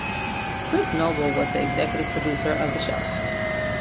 Kris Noble was the executive producer of the show.